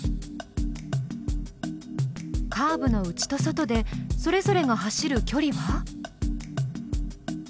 カーブの内と外でそれぞれが走るきょりは？